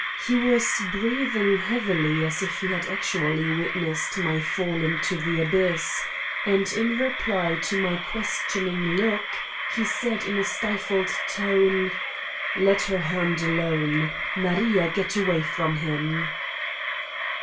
He was breathing heav 234 Satan's Diary ily, as if he had actually witnessed my fall into the abyss and in reply to my questioning look, he said in a stifled tone: "Let her hand alone. Maria get away from him."